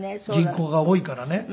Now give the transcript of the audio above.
人口が多いからね。